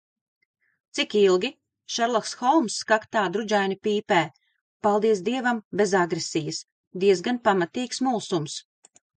Cik ilgi? Šerloks Holmss kaktā drudžaini pīpē. Paldies Dievam, bez agresijas. Diezgan pamatīgs mulsums.